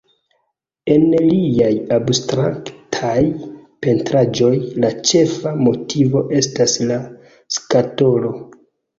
En liaj abstraktaj pentraĵoj la ĉefa motivo estas la skatolo.